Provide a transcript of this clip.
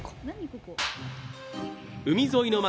海沿いの街